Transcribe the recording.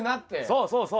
そうそうそう。